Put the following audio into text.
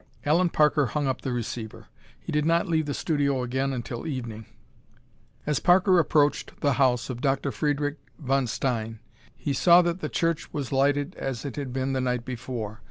Allen Parker hung up the receiver. He did not leave the studio again until evening. As Parker approached the house of Dr. Friedrich von Stein he saw that the church was lighted as it had been the night before.